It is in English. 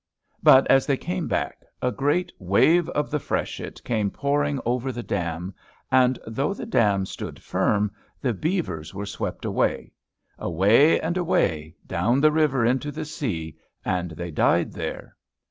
But, as they came back, a great wave of the freshet came pouring over the dam and, though the dam stood firm, the beavers were swept away, away and away, down the river into the sea, and they died there.